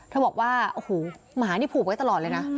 เขาบอกว่าหูหมานี่ผูกไกลตลอดเลยนะ